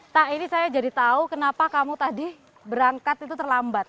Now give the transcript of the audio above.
tak ini saya jadi tahu kenapa kamu tadi berangkat itu terlambat